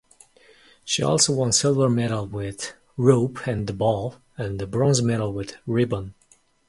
She also won silver medal with Rope and Ball and bronze medal with Ribbon.